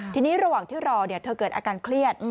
ทีนี้ระหว่างที่รอเธอเกิดอาการเครียด